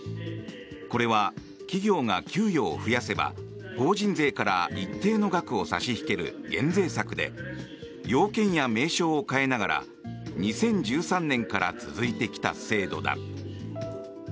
これは、企業が給与を増やせば法人税から一定の額を差し引ける減税策で要件や名称を変えながら２０１３年から続いてきた制度だ。